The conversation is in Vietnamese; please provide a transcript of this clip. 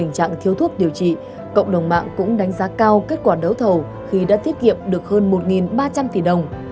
tình trạng thiếu thuốc điều trị cộng đồng mạng cũng đánh giá cao kết quả đấu thầu khi đã tiết kiệm được hơn một ba trăm linh tỷ đồng